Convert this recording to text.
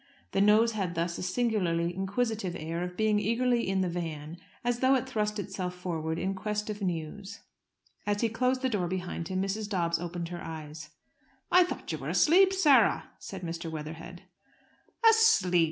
The nose had thus a singularly inquisitive air of being eagerly in the van, as though it thrust itself forward in quest of news. As he closed the door behind him, Mrs. Dobbs opened her eyes. "I thought you were asleep, Sarah," said Mr. Weatherhead. "Asleep!"